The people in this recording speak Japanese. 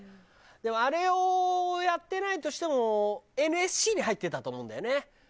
でもあれをやってないとしてもＮＳＣに入ってたと思うんだよね。